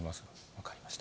分かりました。